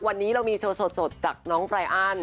วันนี้เรามีโชว์สดจากน้องไรอัน